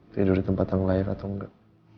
tidur di tempat yang layak atau tidak